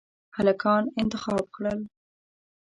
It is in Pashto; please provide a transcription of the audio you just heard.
هلکان انتخاب کړل.